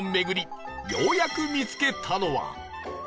ようやく見つけたのは